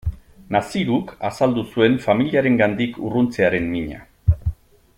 Naziruk azaldu zuen familiarengandik urruntzearen mina.